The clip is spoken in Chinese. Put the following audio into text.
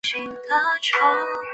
和硕悫靖公主。